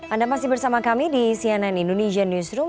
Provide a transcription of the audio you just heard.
anda masih bersama kami di cnn indonesia newsroom